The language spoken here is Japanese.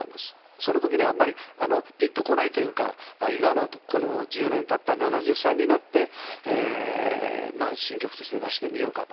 その時あんまりピンとこないというか今のこの１０年たった７３になって新曲として出してみようかと。